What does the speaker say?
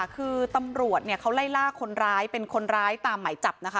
คือตำรวจเนี่ยเขาไล่ล่าคนร้ายเป็นคนร้ายตามหมายจับนะคะ